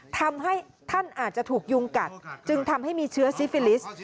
ทำให้ท่านอาจจะถูกยุงกัดจึงทำให้มีเชื้อซิฟิลิสต์